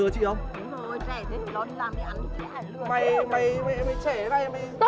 tôi nói cho anh biết nha